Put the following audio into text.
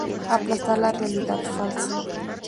Aplastar la realidad falsa.